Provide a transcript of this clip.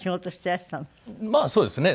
まあそうですね。